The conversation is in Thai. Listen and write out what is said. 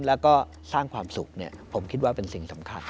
แล้วก็สร้างความสุขผมคิดว่าเป็นสิ่งสำคัญ